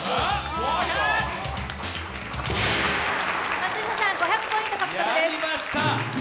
松下さん、５００ポイント獲得です